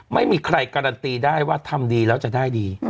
ไม่มีใครการันตีได้ว่าทำดีแล้วจะได้ดี